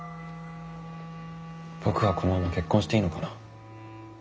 僕はこのまま結婚していいのかな？